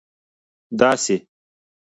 داسي